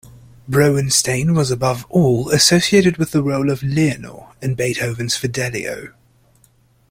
Brouwenstijn was above all associated with the role of Leonore in Beethoven's "Fidelio".